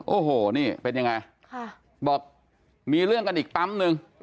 โอ้โหนี่เป็นยังไงบอกมีเรื่องกันอีกปั๊มหนึ่ง